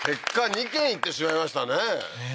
２軒行ってしまいましたねねえ